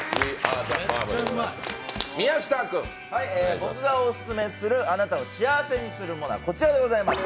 僕がオススメするあなたを幸せにするものはこちらでございます。